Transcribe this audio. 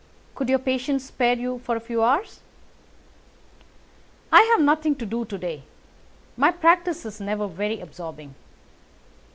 Could your patients spare you for a few hours?" "I have nothing to do to day. My practice is never very absorbing."